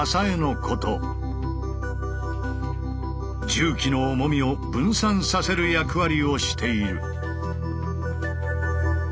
重機の重みを分散させる役割をしている。